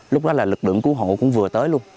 lúc đó là lực lượng cứu hộ cũng vừa tới luôn